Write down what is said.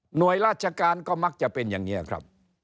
ราชการก็มักจะเป็นอย่างนี้ครับ